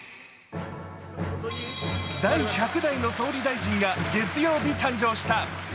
第１００代の総理大臣が月曜日、誕生した。